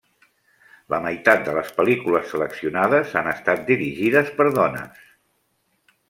La meitat de les pel·lícules seleccionades han estat dirigides per dones.